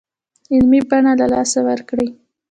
علمي بڼه له لاسه ورکړې.